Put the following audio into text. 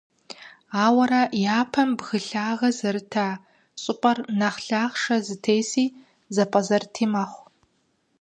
Ауэрэ, япэм бгы лъагэ зэрыта щIыпIэр нэхъ лъахъши, зэтеси, зэпIэзэрыти мэхъу.